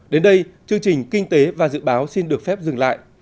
đến đây chương trình kinh tế và dự báo xin được phép dừng lại